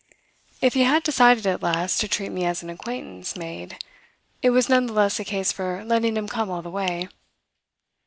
If he had decided at last to treat me as an acquaintance made, it was none the less a case for letting him come all the way.